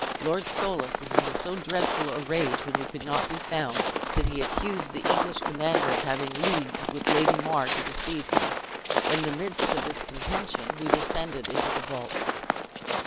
Lord Soulis was in so dreadful a rage, when you could not be found, that he accused the English commander of having leagued with Lady Mar to deceived him. In the midst of this contention we descended into the vaults."